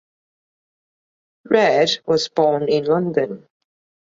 Read was born in London.